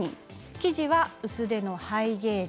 生地は薄手のハイゲージ。